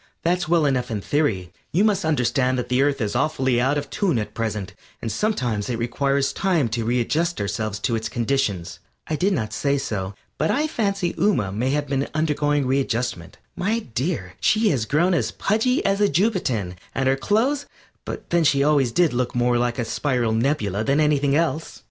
"That's well enough in theory; you must understand that the Earth is awfully out of tune at present, and sometimes it requires time to readjust ourselves to its conditions." I did not say so, but I fancy Ooma may have been undergoing readjustment. My dear, she has grown as pudgy as a Jupitan, and her clothes but then she always did look more like a spiral nebula than anything else.